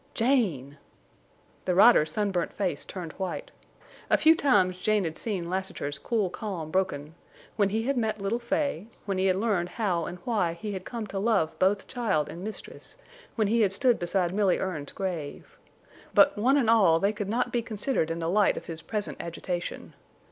"Jane!" The rider's sunburnt face turned white. A few times Jane had seen Lassiter's cool calm broken—when he had met little Fay, when he had learned how and why he had come to love both child and mistress, when he had stood beside Milly Erne's grave. But one and all they could not be considered in the light of his present agitation.